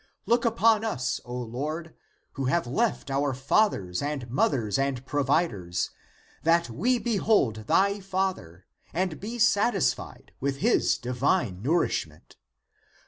Look upon us, O Lord, who have left our fathers and mothers and providers, that we behold thy father, and be satisfied with his divine nourishment.